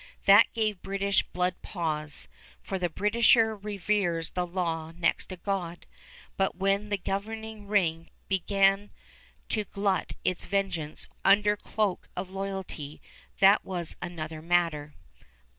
That gave British blood pause, for the Britisher reveres the law next to God; but when the governing ring began to glut its vengeance under cloak of loyalty that was another matter.